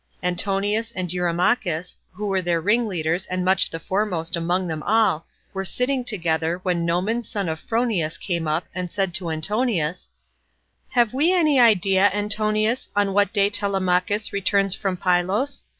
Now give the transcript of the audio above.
Antinous and Eurymachus, who were their ringleaders and much the foremost among them all, were sitting together when Noemon son of Phronius came up and said to Antinous, "Have we any idea, Antinous, on what day Telemachus returns from Pylos?